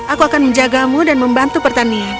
aku akan menjagamu dan membantu pertanian